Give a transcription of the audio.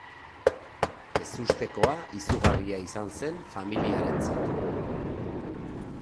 Ezustekoa izugarria izan zen familiarentzat.